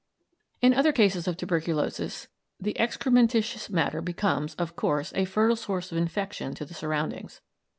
In other cases of tuberculosis the excrementitious matter becomes, of course, a fertile source of infection to the surroundings.